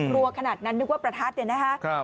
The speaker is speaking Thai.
รัวขนาดนั้นนึกว่าประทัดเนี่ยนะคะ